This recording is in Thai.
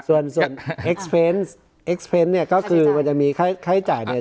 ส่วนส่วนเอกสารเอกสารเนี้ยก็คือมันจะมีค่าใช้จ่ายเนี้ย